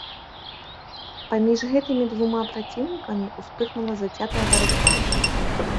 Паміж гэтымі двума праціўнікамі ўспыхнула зацятая барацьба.